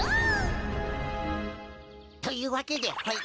というわけでほい。